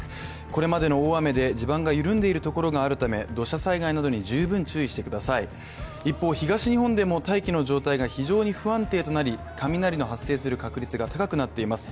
これまでの大雨で地盤が緩んでいるところがあるため、土砂災害などに十分注意してください一方東日本でも大気の状態が非常に不安定となり、雷の発生する確率が高くなっています。